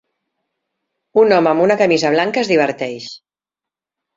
Un home amb una camisa blanca es diverteix.